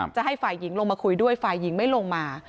จะให้ฝ่ายหญิงลงมาคุยด้วยฝ่ายหญิงไม่ลงมา